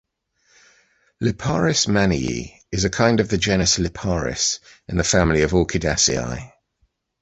Liparis mannii is a kind of the genus Liparis in the family of Orchidaceae.